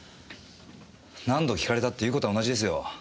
何度訊かれたって言う事は同じですよ。